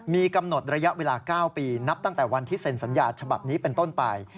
มีกำหนดระยะเวลา๙ปีนับตั้งแต่วันที่เซ็นสัญญาฉบับนี้เป็นต้นไป